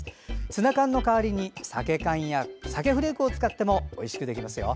ツナ缶の代わりにさけ缶やさけフレークを使ってもおいしくできますよ。